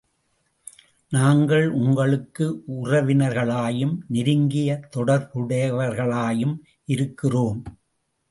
நாங்கள் உங்களுக்கு உறவினர்களாயும், நெருங்கிய தொடர்புடையவர்களாயும் இருக்கிறோம்.